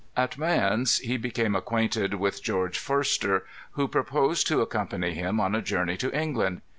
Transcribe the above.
At May ence he became acquainted with George Forster, who proposed to accompany him on a journey to England.